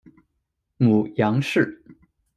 母杨氏。